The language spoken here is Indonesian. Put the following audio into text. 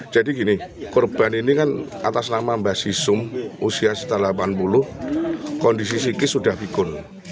jadi gini korban ini kan atas nama mbak sisum usia setelah delapan puluh kondisi psikis sudah pikul